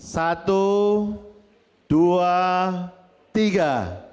satu dua tiga